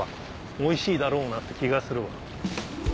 おいしいだろうなって気がするわ。